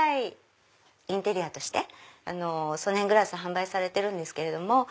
インテリアとしてソネングラス販売されてるんですけれども。